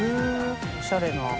おしゃれな。